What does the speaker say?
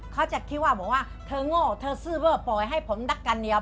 เขาจะคิดว่าเธอโง่เธอซื่อเวิร์ดปล่อยให้ผมรักกันเดียว